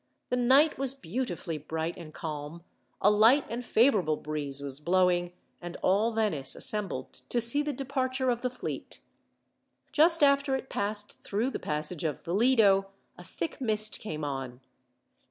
The night was beautifully bright and calm, a light and favourable breeze was blowing, and all Venice assembled to see the departure of the fleet. Just after it passed through the passage of the Lido, a thick mist came on.